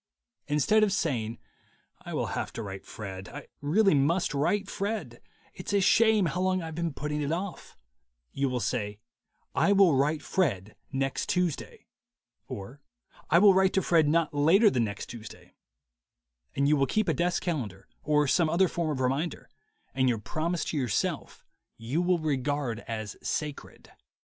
Instead of saying, "I will have to write Fred; I really must write Fred; it's a shame how long I've been putting it off," you will say, "I will write Fred next Tuesday," or "I will write to Fred not later than next Tuesday/' And you will keep a desk calendar or some other form of reminder, and your promise to yourself you will regard as sacred.